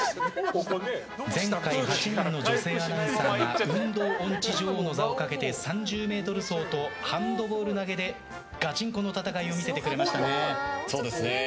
前回８人の女性アナウンサーが運動音痴女王の座をかけて３０ｍ走とハンドボール投げでガチンコの戦いをそうですね。